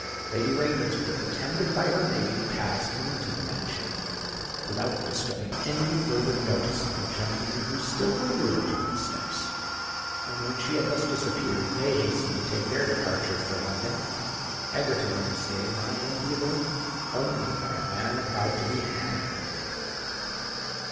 Lady Ravensworth, attended by her maid, passed into the mansion without bestowing any farther notice on the gentlemen who still lingered upon the steps; and when she had thus disappeared, they hastened to take their departure for London, Egerton in a state of mind enviable only by a man about to be hanged.